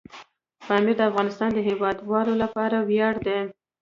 پامیر د افغانستان د هیوادوالو لپاره ویاړ دی.